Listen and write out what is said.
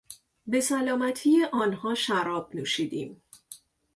به سلامتی آنها شراب نوشیدیم.